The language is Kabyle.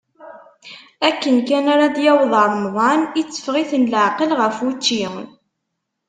Akken kan ara d-yaweḍ remḍan, itteffeɣ-iten leɛqel ɣef učči.